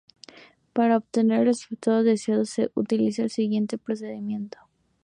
Para obtener el resultado deseado se utiliza el siguiente procedimiento.